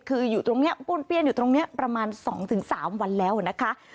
คือป้นเปี้ยนอยู่ตรงนี้ประมาณ๒๓วันแล้วนะคะ